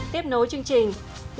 tiếp nối chương trình